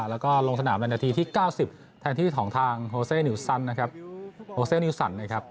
และก็ลงสนามในนาทีที่๙๐แทนที่๒ทางโฮเซ่็นิวซันน์นะครับ